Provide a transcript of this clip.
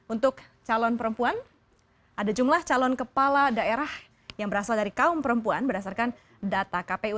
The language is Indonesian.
untuk calon perempuan ada jumlah calon kepala daerah yang berasal dari kaum perempuan berdasarkan data kpu